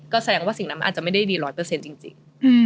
ก็แสดงว่าสิ่งนั้นมันอาจจะไม่ได้ดี๑๐๐จริง